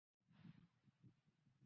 班茂为该镇之首府。